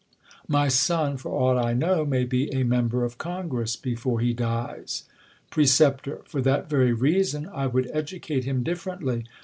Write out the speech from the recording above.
My son, for aught I know, may be a member of Congress before he dies. Precep, For that very reason I would educate hini differently.